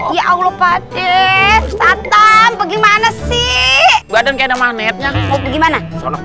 ya allah pakai satam bagaimana sih badan kayak magnetnya gimana